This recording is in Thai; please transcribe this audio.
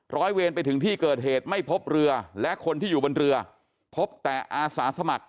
ร้อยเวรไปถึงที่เกิดเหตุไม่พบเรือและคนที่อยู่บนเรือพบแต่อาสาสมัคร